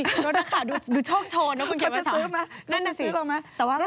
รถนักข่าวดูโชคโชนนะคุณเขียนไว้สอง